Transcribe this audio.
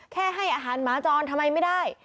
ให้อาหารหมาจรทำไมไม่ได้